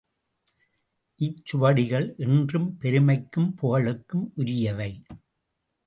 இச்சுவடிகள் என்றும் பெருமைக்கும் புகழுக்கும் உரியவை.